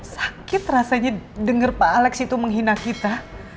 sakit rasanya dengar pak alex itu menghina kita